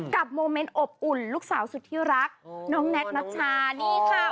โมเมนต์อบอุ่นลูกสาวสุดที่รักน้องแน็คนัชชานี่ค่ะ